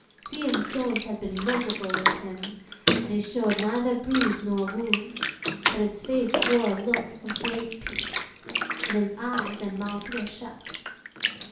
Sea and stones had been merciful with him, and he showed neither bruise nor wound, but his face wore a look of great peace, and his eyes and mouth were shut.